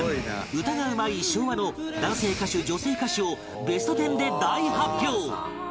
歌がうまい昭和の男性歌手女性歌手をベスト１０で大発表